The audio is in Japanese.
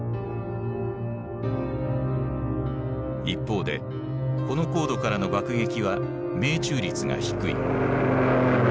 一方でこの高度からの爆撃は命中率が低い。